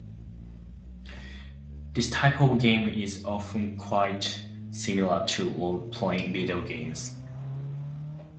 This type of game is often quite similar to role-playing video games.